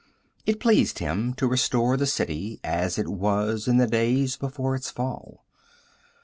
It pleased him to restore the city as it was in the days before its fall.